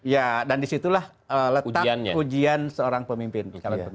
ya dan di situlah letak ujian seorang pemimpin